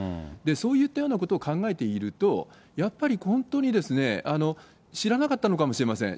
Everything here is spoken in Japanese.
そういったようなことを考えていると、やっぱり本当に知らなかったのかもしれません。